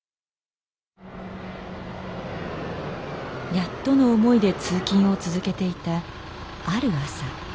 やっとの思いで通勤を続けていたある朝。